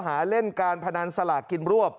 หาเล่นการภาพนานสาหกลืนรวบ